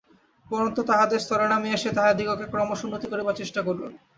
পরন্তু তাহাদের স্তরে নামিয়া আসিয়া তাহাদিগকে ক্রমশ উন্নত করিবার চেষ্টা করুন।